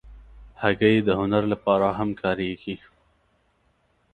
هګۍ د هنر لپاره هم کارېږي.